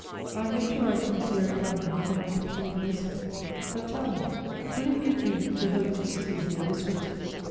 I am going to write to M. Récamier, whom I pity and respect. But, tell me, would it be a dream to hope to see you here this winter?